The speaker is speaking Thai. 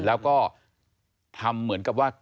แล้วก็ทำเหมือนกับว่า